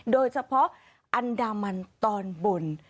โดยเฉพาะอันดามันตอนบน